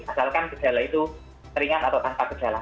asalkan gejala itu ringan atau tanpa gejala